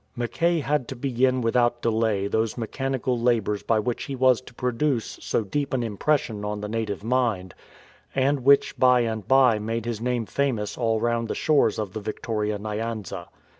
Mackay had to begin without delay those mechani cal labours by which he was to produce so deep an impres sion on the native mind, and which by and by made his name famous all round the shores of the Victoria Nyanza.